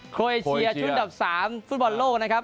เอเชียชุดดับ๓ฟุตบอลโลกนะครับ